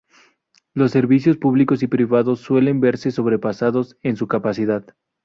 Los servicios públicos y privados suelen verse sobrepasados en su capacidad.